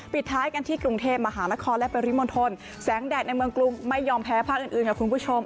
ปิดท้ายกันที่กรุงเทพมหานครและปริมณฑลแสงแดดในเมืองกรุงไม่ยอมแพ้ภาคอื่นค่ะคุณผู้ชม